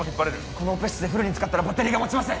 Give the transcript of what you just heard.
このオペ室でフルに使ったらバッテリーがもちません